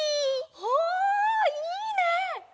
おおいいね！